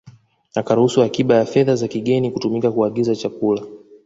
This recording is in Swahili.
Akaruhusu akiba ya fedha za kigeni kutumika kuagiza chakula